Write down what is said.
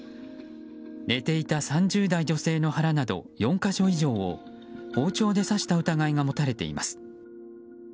寝ていた３０代女性の腹など４か所以上を包丁で刺した疑いが持たれています。